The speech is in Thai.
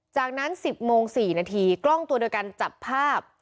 จากนั้น๑๐โมง๔นาทีกล้องตัวเดียวกันจับภาพ